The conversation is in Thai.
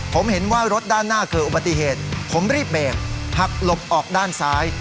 ผมเห็นว่ารถด้านหน้าเกิดอุบัติเหตุผมรีบเบรกหักหลบออกด้านซ้าย